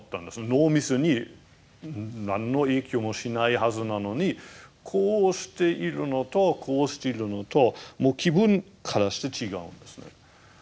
脳みそに何の影響もしないはずなのにこうしているのとこうしているのと気分からして違うんですね。